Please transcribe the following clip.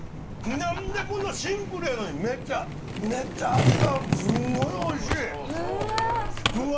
なんでこんなシンプルやのに、めっちゃ、めっちゃ味が、すんごいおいしい。